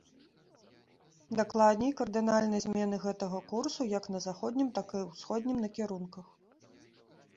Дакладней, кардынальнай змены гэтага курсу як на заходнім, так і ўсходнім накірунках.